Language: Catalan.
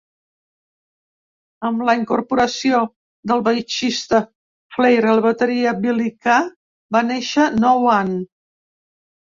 Amb la incorporació del baixista Flare i el bateria Billy K, va néixer No One.